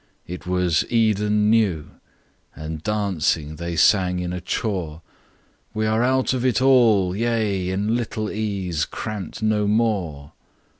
"It was 'Eden New,' and dancing they sang in a chore, 'We are out of it all!—yea, in Little Ease cramped no more!